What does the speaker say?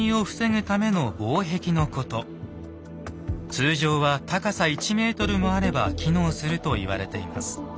通常は高さ１ｍもあれば機能すると言われています。